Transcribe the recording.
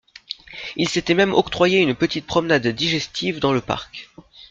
Ils s’étaient même octroyé une petite promenade digestive dans le parc.